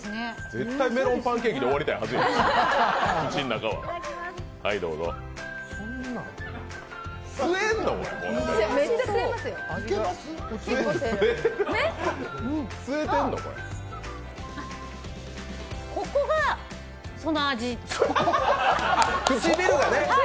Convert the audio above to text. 絶対メロンパンケーキで終わりたいはずやろ、口は。